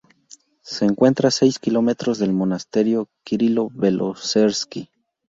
Se encuentra a seis kilómetros del monasterio Kirilo-Belozerski.